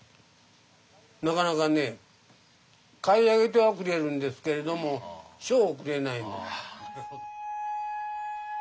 なかなかね買い上げてはくれるんですけれども賞をくれない。